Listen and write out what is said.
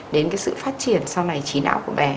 đến cái sự phát triển sau này trí não của bé